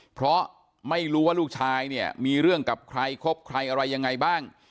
เพราะไม่รู้ว่าลูกชายเนี่ยมีเรื่องกับใครคบใครอะไรยังไงบ้าง